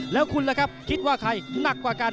แล้วคุณล่ะครับคิดว่าใครหนักกว่ากัน